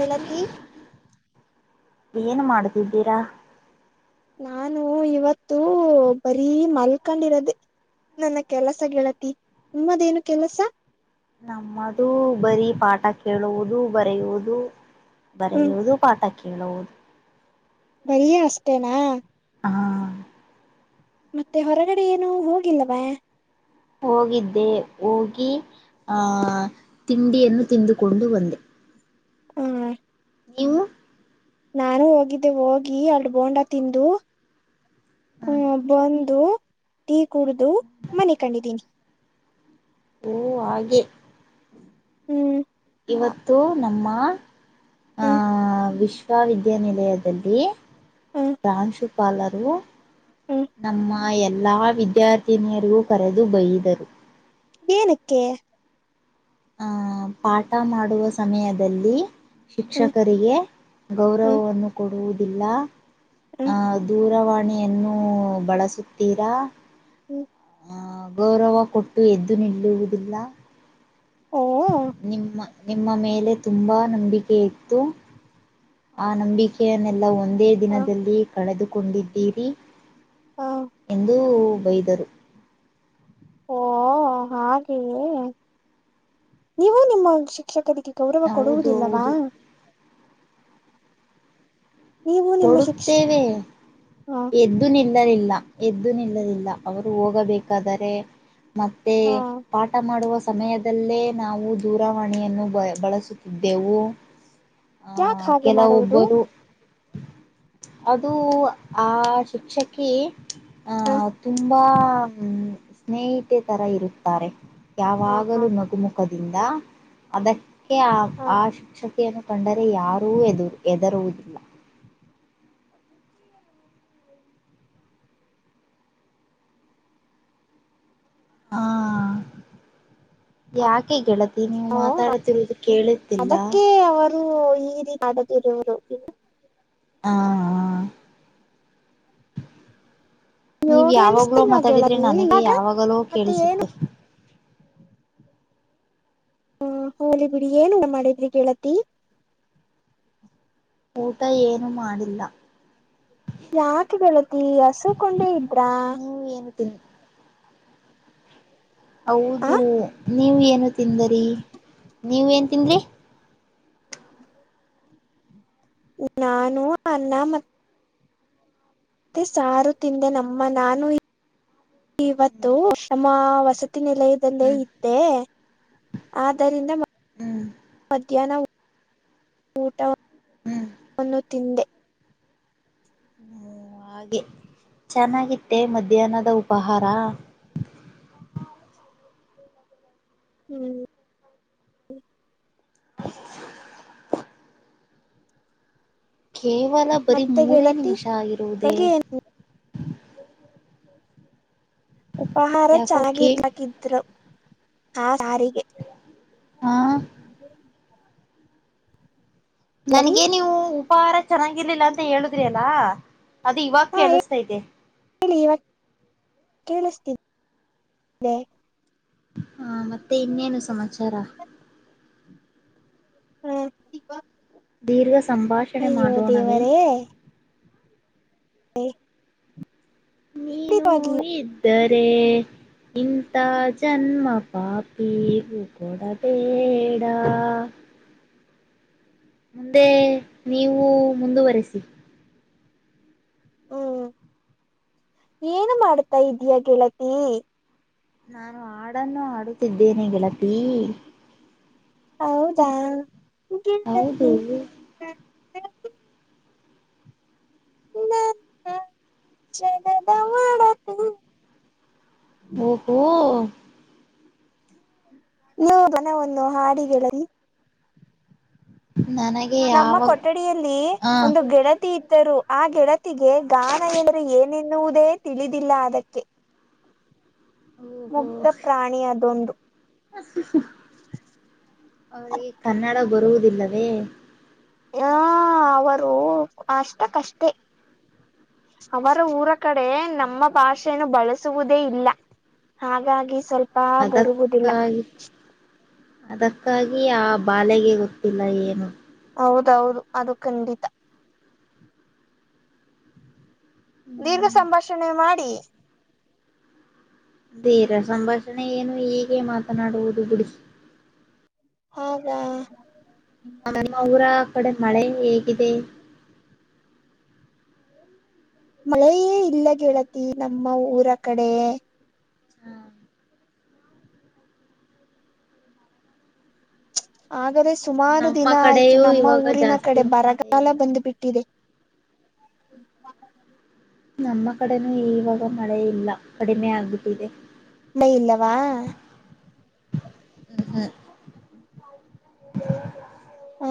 ಗೆಳತಿ ಏನು ಮಾಡ್ತಿದ್ದೀರಾ. ನಾನು ಇವತ್ತು ಬರೀ ಮಲ್ಕೊಂಡಿರೋದೆೆ. ನನ್ನ ಕೆಲಸ ಗೆಳತಿ ನಿಮ್ಮದೇನು ಕೆಲಸ. ನಮ್ಮದು ಬರೀ ಪಾಠ ಕೇಳುವುದು ಬರೆಯುವುದು. ಹ್ಮ ಬರಿಯುವುದು ಪಾಠ ಕೇಳುವುದು. ಬರೀ ಅಷ್ಟೇನಾ. ಹಾ ಮತ್ತೆ ಹೊರಗಡೆ ಏನು ಹೋಗಿಲ್ಲವಾ. ಹೋಗಿದ್ದೆ ಹೋಗಿ ಆ ತಿಂಡಿಯನ್ನು ತಿಂದುಕೊಂಡು ಬಂದೆ. ಹ್ಮ ನೀವು. ನಾನು ಹೋಗಿದ್ದೆ ಹೋಗಿ ಅಲ್ಲ ಬೋಂಡ ತಿಂದು. ಹ್ಮ್ ಬಂದು ಟೀ ಕುಡ್ದು ಮನಿಕೊಂಡಿದ್ದೀನಿ. ಓ ಹಾಗೆ. ಹ್ಮ್ ಇವತ್ತು ನಮ್ಮ ಹ್ಮ್ ವಿಶ್ವವಿದ್ಯಾನಿಲಯದಲ್ಲಿ ಹ್ಮ್ ಪ್ರಾಂಶುಪಾಲರು ಹ್ಮ್ ನಮ್ಮ ಆ ಎಲ್ಲಾ ವಿದ್ಯಾರ್ಥಿನಿಯರಿಗೂ ಕರೆದು ಬೈದರು. ಏನಕ್ಕೆ. ಆಹ್ ಪಾಠ ಮಾಡುವ ಸಮಯದಲ್ಲಿ. ಹ್ಮ್ ಶಿಕ್ಷಕರಿಗೆ ಹ್ಮ್ ಗೌರವವನ್ನು ಕೊಡುವುದಿಲ್ಲ ಹ್ಮ್ ಅದು ದೂರವಾಣಿಯನ್ನು ಬಳಸುತ್ತೀರಾ. ಹ್ಮ್ ಆ ಗೌರವ ಕೊಟ್ಟು ಎದ್ದು ನಿಲ್ಲುವುದಿಲ್ಲ. ಓಹ ಓ. ನಿಮ್ಮ ನಿಮ್ಮ ಮೇಲೆ ತುಂಬಾ ನಂಬಿಕೆ ಇತ್ತು. ಆ ನಂಬಿಕೆಯನ್ನೆಲ್ಲಾ ಒಂದೇ ಹ ದಿನದಲ್ಲಿ ಕಳೆದುಕೊಂಡಿದ್ದೀರಿ. ಹಾ ಎಂದು ಬೈದರು. ಓ ಹಾಗೆಯೇ ನೀವು ನಿಮ್ಮ ಶಿಕ್ಷಕರಿಗೆ ಗೌರವ ಹೌದು ಕೊಡುವುದಿಲ್ಲವಾ. ಹೌದು ನೀವು ನಿಮ್ಮ ಶಿಕ್ಷಣ ಕೊಡುತ್ತೇವೆ ಹ ಎ್ದ ದ್ದು ಎದ್ದು ನಿಲ್ಲಲಿಲ್ಲ ಎದ್ದು ನಿಲ್ಲಲಿಲ್ಲ ಅವರು ಹೋಗಬೇಕಾದರೆ. ಮತ್ತೆ ಹ ಪಾಠ ಮಾಡುವ ಸಮಯ್ ದಲ್ಲೇ ನಾವು ದೂರವಾಣಿಯನ್ನು ಬ ಬಳಸುತ್ತಿದ್ದೆವು. ಹಾ ಯಾಕೆ ಹಾಗೆ ಕೆಲ ಮಾಡುವುದು ಒಬ್ಬರು. ಅದು ಆ ಶಿಕ್ಷಕಿ ಆ ಹ ತುಂಬ ತುಂಬಾ ಸ್ನೇಹಿತೆ ತರ ಇರುತ್ತಾರೆ ಹ ಯಾವಾಗಲೂ ನಗುಮುಖ ಖದಿಂದ ಅದಕ್ಕೆ ಆ ಹ ಆ ಶಿಕ್ಷಕ ನ್ನು ಕಂಡರೆ ಯಾರೂ ಎದುರು ಹೆದರುವುದಿಲ್ಲ. ಹಾ ಯಾಕೆ ಗೆಳತಿ ಈ ನೀವು ಹ ಮಾತಾಡತಿರುವುದು ಕೇಳುತ್ತಿಲ್ಲ. ಇದು ಈ ರೀತಿ ಮಾಡದಿರೋವುದು. ಹಾ ಅಯ್ಯೋ ನೀವ ಯಾವಾಗ್ಲೋ ಕೇಳಿಸ್ತಿಲ್ವಾ ಮಾತಾಡಿದ್ರೆ ಗೆಳತಿ ನನಗೆ ಇವಾಗ ಯಾವಾಗಲೋ ಮತ್ತೆ ಏನು ಕೇಳಿಸುತ್ತೆ. ಹ ಹೋಲಿ ಬಿಡಿ ಏನ ಊಟ ಮಾಡಿದ್ರಿ ಗೆಳತಿ. ಊಟ ಏನು ಮಾಡಿಲ್ಲ. ಯಾಕೆ ಗೆಳತಿ ಹಸುವ ಕೊಂಡ್ರೆ ಇದ್ರಾ. ನೀವ ಏನ ತಿಂ ಆ ಹೌದು ನೀವ ಏನು ತಿಂದ್ರಿ ನೀವ ಏನ್ ತಿಂದ್ರಿ. ನಾನು ಅನ್ನ ಮತ್ತೆ ಮತ್ತೆ ಸಾರು ತಿಂದೆ ನಮ್ಮ ನಾನು ಇವತ್ತು ಹ್ಮ್ ನಮ್ಮ ವಸತಿ ನೆಲಯ ಇಲ್ಲೇ ಹ್ಮ್ ಇದೆ ಆದ್ದರಿಂದ ಹ್ಮ್ ಮಧ್ಯಾಹ್ನ ಹ್ಮ್ ಊಟವನ್ನು [unintelligible] ತಿಂದೆ ಹುಂ ಹಾಗೆ ಚೆನ್ನಾಗಿತ್ತೆ ಮಧ್ಯಾಹ್ನದ ಉಪಾಹಾರಾ. ಹುಂ [inaudible] ಕೇವಲ ಬರೀ ಮತ್ತೆ ಮೂರೇ ಗೆಳತಿ ನಿಮಿಷ ಆಗಿರುವುದೇ. ಬೆಳಗ್ಗೆ ಉಪಾಹಾರ ಯಾಕೋಕೆ ಚೆನ್ನಾಗಿಲ್ಲ ಹಾಕಿತ್ತರು ಆ ಸಾರಿಗೆ [unintelligible] ಹಾ ಎಲ್ಲರಿ ನನ್ಗೆ ನೀವು ಉಪಹಾರ ಚೆನ್ನಾಗಿರ್ಲಿಲ್ಲ ಅಂತ ಹೇಳುದ್ರಿ ಅಲ್ಲಾ ಅದು ಇವಾಗ ಹಾ ಕೇಳಿಸತೈತೆ. ಹೇಳಿ ಇವತ್ತು ಕೇಳಿಸ್ತೀನಿ [unintelligible] ಹಾ ಮತ್ತೆ ಇನ್ನೇನು ಸಮಾಚಾರಾ [unintelligible] ದೀರ್ಘ ಸಂಭಾಷಣೆ ಅಯ್ಯೋ ಮಾಡೋಣವೆ. ದೇವರೇ [unintelligible] ನೀನು ಖಂಡಿತವಾಗಿಯೂ ಇದ್ದರೆ ಇಂಥ ಜನ್ಮ ಪಾಪಿ ಪವು ಕೊಡ ಬೇಡಾ ಮುಂದೆ ನೀವು ಮುಂದುವರಿಸಿ. ಹುಂ ಏನು ಮಾಡ್ತಾ ಇದೀಯಾ ಗೆಳತಿ. ನಾನು ಹಾಡನ್ನು ಆಡುತ್ತಿದ್ದೇನೆ ಗೆಳತಿ. ಹೌದಾ ನಿಗೇ ಹೌದು. [unintelligible] [unintelligible] ಓಹೋ ಓ ನೀವು ಬನವನ್ನು ಹಾಡು ಹೇಳರಿ. ನನಗೆ ನಮ್ಮ ಯಾವಾಗ ಕೊಠಡಿಯಲ್ಲಿ ಆ. ಒಂದು ಗೆಳತಿ ಇ ದರು ಆ ಗೆಳತಿಗೆ ಗಾನ ಎಂದ್ರೆ ಏನೆನ್ನುವುದೇ ತಿಳಿದಿಲ್ಲ ಅದಕ್ಕೆ. ಮುಗ್ಧ ಪ್ರಾಣಿ ಅದೊಂದು. [inaudible] ಅವ್ರಿಗೆ ಕನ್ನಡ ಬರುವುದಿಲ್ಲವೇ. ಯಾ ಅವರು ಅಷ್ಟಕಷ್ಟೇ. ಅವರ ಊರ ಕಡೆ ನಮ್ಮ ಭಾಷೆಯನ್ನು ಬಳಸುವುದೇ ಇಲ್ಲಾ. ಹಾಗಾಗಿ ಸ್ವಲ್ಪಾ ಬರುವುದಿಲ್ಲಾ. ಅದಕ್ಕಾಗಿ ಅದಕ್ಕಾಗಿ ಆ ಬಾಲೆಗೆ ಗೊತ್ತಿಲ್ಲಾ ಏನು. ಹೌದೌದು ಅದು ಖಂಡಿತಾ. ನೀವು ಹ್ಮ್. ಸಂಭಾಷಣೆ ಮಾಡಿ. ಧೀರ ಸಂಭಾಷಣೆ ಏನು ಹೀಗೆ ಮಾತನಾಡುವುದು ಬಿಡಿ. ಹೌದಾ. ನಿಮ್ಮ ಊರ ಕಡೆ ಮಳೆ ಹೇಗಿದೆ. ಮಳೆಯೇ ಇಲ್ಲಾ ಗೆಳತಿ ನಮ್ಮ ಊರ ಕಡೆ. ಹಾ [unintelligible] ಆದರೆ ಸುಮಾರು ನಮ್ಮ ದಿನ ಆಯ್ತು ಕಡೆಯೂ ನಮ್ಮ ಇವಾಗ ಊರಿನ ಜಾಸ್ತಿ ಕಡೆ ಮಳೆ ಬರಗಾಲ ಇಲ್ಲ ಬಂದು ಬಿಟ್ಟಿದೆ. [inaudible] ನಮ್ಮ ಕಡೆನೂ ಇವಾಗ ಮಳೆ ಇಲ್ಲಾ ಕಡಿಮೆ ಆಗ್ಬಿಟ್ಟಿದೆ. [unintelligible] ಇಲ್ಲವಾ. ಹ್ಮ್ ಹ್ಮ್ ಹಾ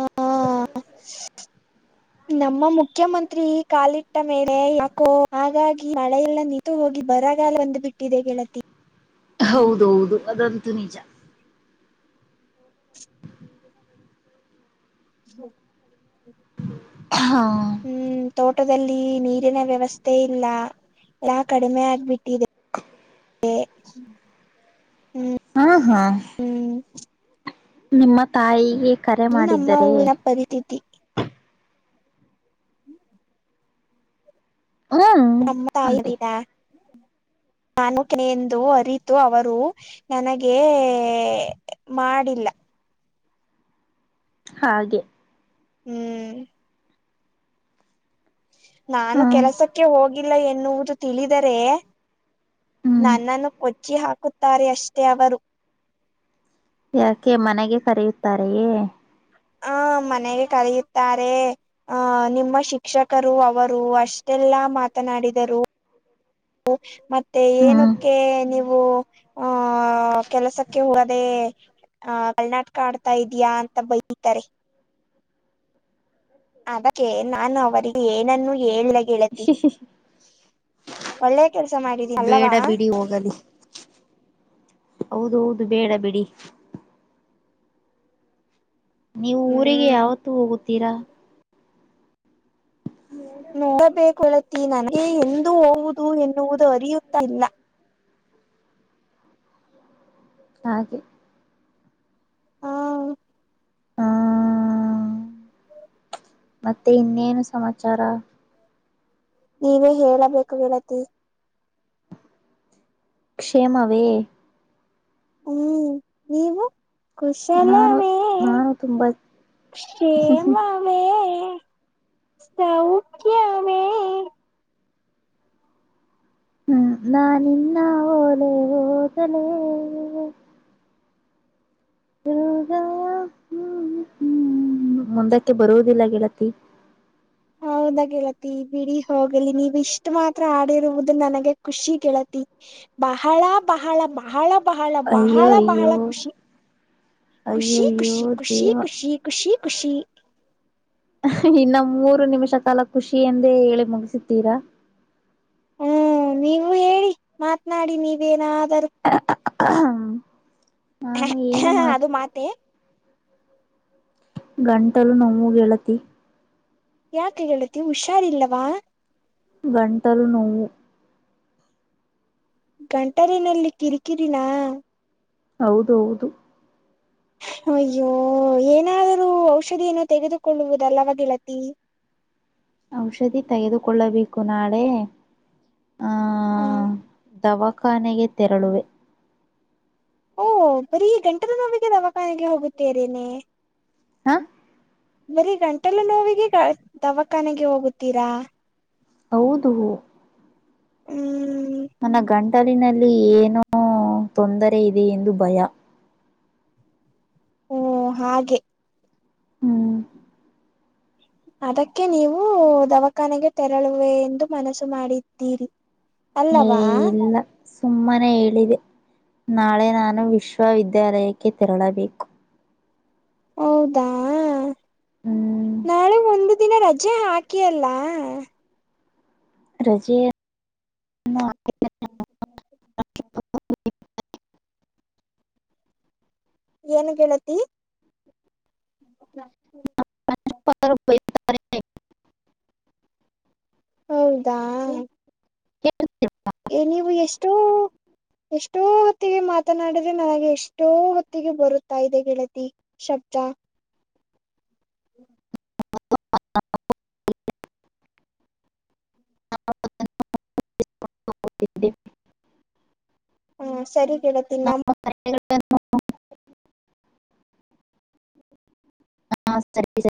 [unintelligible] ನಮ್ಮ ಮುಖ್ಯಮಂತ್ರಿ ಕಾಲಿಟ್ಟ ಮೇಲೆ ಯಾಕೋ ಹಾಗಾಗಿ ಮಳೆ ಎಲ್ಲ ನಿ ತು ಹೋಗಿ ಬರಗಾಲ ಬಂದು ಬಿಟ್ಟಿದೆ ಗೆಳತಿ. ಹೌದೌದು ಅದಂತೂ ನಿಜ. [unintelligible] [unintelligible] ಹ್ಮ್ ತೋಟದಲ್ಲಿ ನೀರಿನ ವ್ಯವಸ್ಥೆ ಇಲ್ಲ ಎಲ್ಲಾ ಕಡಿಮೆ ಆಗ್ಬಿಟ್ಟಿದೆ. [unintelligible] ಹಾ ಹಾ ಹ್ಮ್ ನಿಮ್ಮ ತಾಯಿಗೆ ಕರೆ ಇದು ನಮ್ಮ ಮಾಡಿದ್ದರೆ. ಊರಿನ ಪರಿಸ್ಥಿತಿ ಹ್ಮ್ ನಮ್ಮ್ ತಾಯಿ ಅಂತೆ ದಿಗಾ ನಾನು ಕೆನೆ ಎಂದು ಅರಿತು ಅವರು ನನಗೆ ಮಾಡಿಲ್ಲ ಹಾಗೆ ಹ್ಮ್ ನಾನು ಹ್ಮ್ ಕೆಲಸಕ್ಕೆ ಹೋಗಿಲ್ಲ ಎನ್ನುವುದು ತಿಳಿದರೆ. ಹ್ಮ್ ನನ್ನನ್ನು ಕೊಚ್ಚಿ ಹಾಕುತ್ತಾರೆ ಅಷ್ಟೇ ಅವರು. ಯಾಕೆ ಮನೆಗೆ ಕರೆಯುತ್ತಾರೆಯೇ. ಹ ಮನೆಗೆ ಕರಿಯುತ್ತಾರೆ. ಆಹ ನಿಮ್ಮ ಶಿಕ್ಷಕರು ಅವರು ಅಷ್ಟೆಲ್ಲಾ ಮಾತನಾಡಿದರು. ಮತ್ತೆ ಹ್ಮ್ ಏನಕ್ಕೆ ನೀವು ಹಾ ಕೆಲಸಕ್ಕೆ ಹೋದೇ. ಹ ಕಳ್ಳ ನಾಟ್ಕಾ ಆಡ್ತಾ ಇದಿಯಾ ಅಂತ ಬೈತಾರೆ. ಅದಕ್ಕೆ ನಾನು ಅವರಿಗೆ ಏನನ್ನು ಹೇಳ್ ಹೂ ಹೂ ಒಳ್ಳೆ ಕೆಲ್ಸ ಮಾಡಿದೀನಿ ಬೇಡ ಅಲ್ಲವಾ ಬಿಡಿ ಹೋಗಲಿ. ಹೌದೌದು ಬೇಡ ಬಿಡಿ. ನೀವು ಊರಿಗೆ ಹ್ಮ್ ಯಾವತ್ತು ಹೋಗುತ್ತೀರಾ. [unintelligible] ನೋಡಬೇಕ ಗೆಳತಿ ನನಗೆ ಎಂದು ಹೋಗುದು ಎನ್ನುವುದು ಅರಿಯುತ್ತಾ ಇಲ್ಲ. ಹಾಗೆ ಹಾ ಹಾ ಹಾ ಮತ್ತೆ ಇನ್ನೇನು ಸಮಾಚಾರ ನೀವೇ ಹೇಳಬೇಕು ಗೆಳತಿ. ಕ್ಷೇಮವೇ ಹ್ಮ್ ನೀವು ನಾನು ಕುಶಲವೇ ನಾನು ತುಂಬಾ ಕ್ಷೇಮವೇ. ವೇ ಸೌಖ್ಯ ವೇ ಹ್ಮ್ ನಾ ನಿನ್ನ ಓಲೇ ಓದಲೇ. ಯೋಗ ಹ್ಮ್ ಹ್ಮ್ ಮುಂದಕ್ಕೆ ಬರುವುದಿಲ್ಲ ಗೆಳತಿ. ಹೌದಾ ಗೆಳತಿ ಬಿಡಿ ಹೋಗ್ಲಿ ನೀವು ಇಷ್ಟ್ ಮಾತ್ರ ಆಡಿರುವುದು ನನಗೆ ಖುಷಿ ಗೆಳತಿ. ಬಹಳ ಬಹಳ ಬಹಳ. ಬಹಳ ಅಯ್ಯೋ ಬಹಳ ಬಹಳ ಅಯ್ಯೋ ಖುಷಿ ಅಯ್ಯೋ ಖುಷಿ ಅಯ್ಯೋ ಖುಷಿ ಖುಷಿ ದೇವ ಖುಷಿ. ಖುಷಿ ಖುಷಿ ಇನ್ನ ಮೂರು ನಿಮಿಷ ಕಾಲ ಖುಷಿ ಎಂದೇ ಹೇಳಿ ಮುಗಿಸಿತೀರಾ. ಹ್ಮ್ ನೀವು ಹೇಳಿ ಮಾತ್ನಾಡಿ ನೀವೇನಾದರೂ. ಹಾ ನಾನು ಏನು ಹಾ ಮಾತ್ ಅದು ಮಾತೇ. ಗಂಟಲು ನೋವು ಗೆಳತಿ. ಯಾಕೆ ಗೆಳತಿ ಹುಷಾರಿಲ್ಲವಾ. ಗಟಲು ನೋವು. ಗಂಟಲಿನಲ್ಲಿ ಕಿರಿಕಿರಿನಾ. ಹೌದು ಹೌದು. ಅಯ್ಯೋ ಏನಾದರೂ ಔಷಧಿಯನ್ನು ತೆಗೆದುಕೊಳ್ಳುವುದಲ್ಲವ ಗೆಳತಿ. ಔಷಧಿ ತೆಗೆದುಕೊಳ್ಳಬೇಕು ನಾಳೆ. ಆ ದವಾಖಾನೆಗೆ ತೆರಳುವೆ. ಓಹ್ ಬರೀ ಗಂಟಲುನೊವಿಗೆ ದವಾಖಾನೆಗೆ ಹೋಗುತ್ತೇರನೆ. ಹಾ ಬರಿ ಗಂಟಲು ನೋವಿಗೆ ಗ ದವಾಖಾನೆಗೆ ಹೋಗುತ್ತೀರಾ. ಹೌದು ಹ್ಮ್ ನನ್ನ ಗಂಟಲಿನಲ್ಲಿ ಏನೋ ತೊಂದರೆ ಇದೆ ಎಂದು ಭಯ. ಓ ಹಾಗೆ. ಹ್ಮ್ ಅದಕ್ಕೆ ನೀವು ದವಾಖಾನೆಗೆ ತೆರಳುವೆ ಎಂದು ಮನಸ್ಸು ಮಾಡಿದ್ದೀರಿ. ಏ ಅಲ್ಲವಾ ಇಲ್ಲ. ಸುಮ್ಮನೆ ಹೇಳಿದೆ ನಾಳೆ ನಾನು ವಿಶ್ವವಿದ್ಯಾಲಯಕ್ಕೆ ತೆರಳಬೇಕು. ಹೌದಾ ಹ್ಮ್ ನಾಳೆ ಒಂದು ದಿನ ರಜೆ ಹಾಕಿ ಅಲ್ಲ. ರಜೆ ಇನ್ನು ಆಗಿಲ್ಲ. ಹ್ಮ್ ಏನು ಗೆಳತಿ. [inaudible] [unintelligible] ಹೌದಾ ಕೇ ಳ. [inaudible] ಎ ನೀವು ಎಷ್ಟೋ. ಎಷ್ಟೋ ಹೊತ್ತಿಗೆ ಮಾತನಾಡಿದ್ರೆ ನನಗೆ ಎಷ್ಟೋ ಹೊತ್ತಿಗೆ ಬರುತ್ತಾ ಇದೆ ಗೆಳತಿ. ಶಬ್ದ. [unintelligible] [unintelligible] ಹ್ಮ್ ಸರಿ ಗೆಳತಿ ನ [unintelligible] ಹಾ ಸರಿ ಸರಿ.